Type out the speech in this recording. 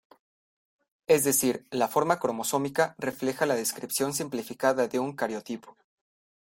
Es decir, la fórmula cromosómica refleja la descripción simplificada de un cariotipo.